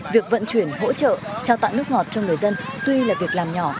việc vận chuyển hỗ trợ trao tặng nước ngọt cho người dân tuy là việc làm nhỏ